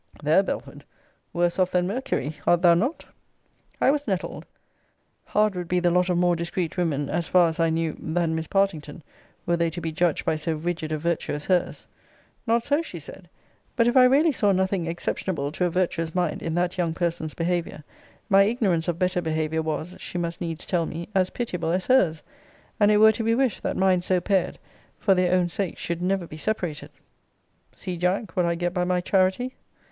There, Belford! Worse off than Mercury! Art thou not? I was nettled. Hard would be the lot of more discreet women, as far as I knew, that Miss Partington, were they to be judged by so rigid a virtue as hers. Not so, she said: but if I really saw nothing exceptionable to a virtuous mind, in that young person's behaviour, my ignorance of better behaviour was, she must needs tell me, as pitiable as hers: and it were to be wished, that minds so paired, for their own sakes should never be separated. See, Jack, what I get by my charity!